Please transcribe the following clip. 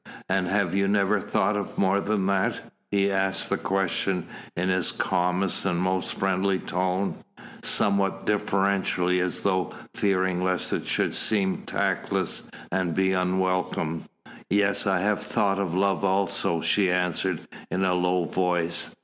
"And have you never thought of more than that?" He asked the question in his calmest and most friendly tone, somewhat deferentially as though fearing lest it should seem tactless and be unwelcome. "Yes, I have thought of love also," she answered, in a low voice.